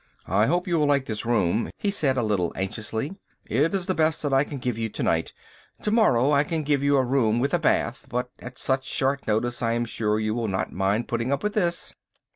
"I hope you will like this room," he said a little anxiously. "It is the best that I can give you to night. To morrow I can give you a room with a bath, but at such short notice I am sure you will not mind putting up with this."